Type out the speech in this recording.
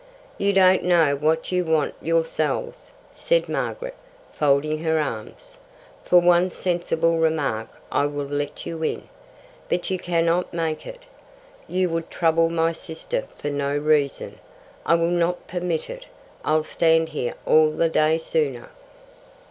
"You don't know what you want yourselves," said Margaret, folding her arms. "For one sensible remark I will let you in. But you cannot make it. You would trouble my sister for no reason. I will not permit it. I'll stand here all the day sooner."